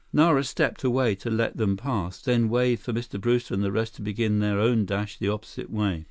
Nara stepped away to let them pass, then waved for Mr. Brewster and the rest to begin their own dash the opposite way.